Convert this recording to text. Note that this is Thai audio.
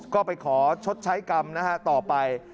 ก็ไปขอชดใช้กรรมนะฮะต่อไป